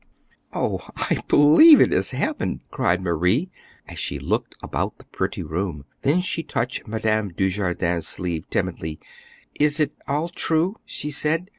"Oh, I believe it is heaven!" cried Marie, as she looked about the pretty room. Then she touched Madame Dujardin's sleeve timidly. "Is it all true?" she said.